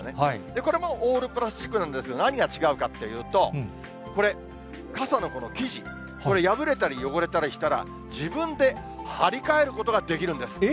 これもオールプラスチックなんですが、何が違うかっていうと、これ、傘のこの生地、これ破れたり汚れたりしたら、自分で張り替えることができるんです。